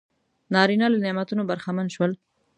نارینه له نعمتونو برخمن شول.